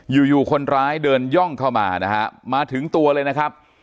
อยู่อยู่คนร้ายเดินย่องเข้ามานะฮะมาถึงตัวเลยนะครับ